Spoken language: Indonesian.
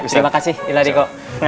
terima kasih ilah adikku